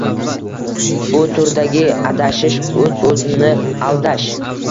Bu turdagi adashish o‘z-o‘zni aldash